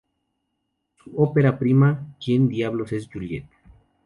Su ópera prima "¿Quien diablos es Juliette?